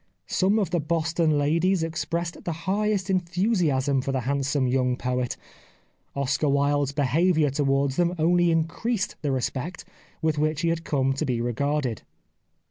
Some of the Boston ladies expressed the highest en thusiasm for the handsome young poet. Oscar Wilde's behaviour towards them only increased the respect with which he had come to be re garded.